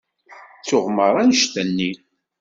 Ttuɣ merra annect-nni.